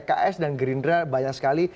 pks dan gerindra banyak sekali